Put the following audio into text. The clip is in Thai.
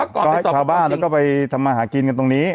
ก็ให้ถ่ายบ้านก็ไปทำมาหากินตรงนี้